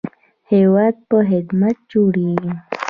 هیواد په خدمت جوړیږي